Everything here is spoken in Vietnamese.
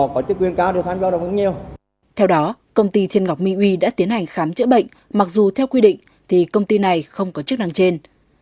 cơ sở kinh doanh đa cấp thuộc công ty này đã tiến hành khám chữa bệnh mặc dù theo quy định thì công ty này không có chức năng trên